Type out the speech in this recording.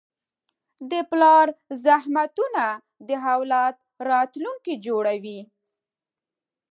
د پلار زحمتونه د اولاد راتلونکی جوړوي.